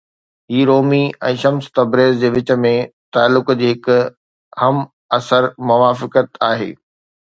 هي رومي ۽ شمس تبريز جي وچ ۾ تعلق جي هڪ همعصر موافقت آهي.